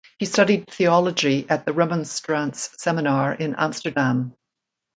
He studied theology at the remonstrants seminar in Amsterdam.